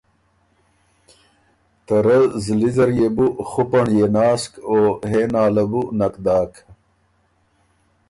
ته رۀ زلی زر يې بُو خُپنړيې ناسک او ”هې نا“ له بُو نک داک۔